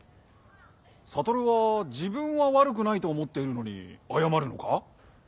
悟は自分はわるくないと思っているのにあやまるのか？